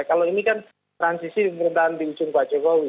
kalau ini kan transisi pemerintahan di ujung pak jokowi